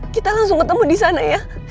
kita langsung ketemu di sana ya